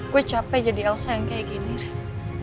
gue capek jadi elsa yang kayak gini deh